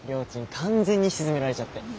完全に沈められちゃって。